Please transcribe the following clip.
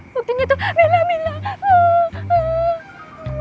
mungkin itu bella bella